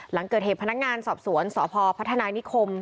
หลังเกิดเหตุพนักงานสอบสวนสพพัฒนานิคม